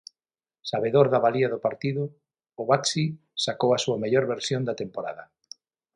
Sabedor da valía do partido, o Baxi sacou a súa mellor versión da temporada.